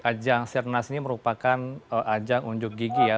ajang sirnas ini merupakan ajang unjuk gigi ya